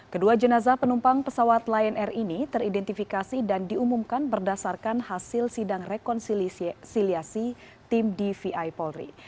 kedua jenazah penumpang pesawat lion air ini teridentifikasi dan diumumkan berdasarkan hasil sidang rekonsiliasi tim dvi polri